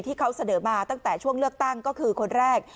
ที่เขาเสนอมาตั้งแต่ช่วงเลือกตั้งก็คือคนแรก